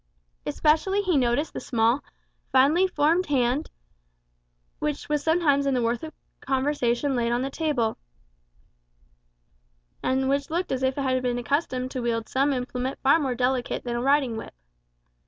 Especially he noticed the small, finely formed hand, which was sometimes in the warmth of conversation laid on the table, and which looked as if it had been accustomed to wield some implement far more delicate than a riding whip.